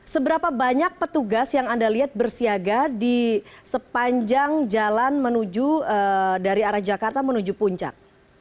seberapa banyak petugas yang anda lihat bersiaga di sepanjang jalan menuju dari arah jakarta menuju puncak